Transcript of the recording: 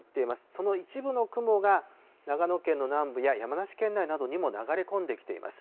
その一部の雲が長野県の南部や山梨県内などにも流れ込んできています。